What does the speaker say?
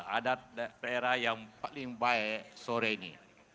adat daerah yang paling baik sore ini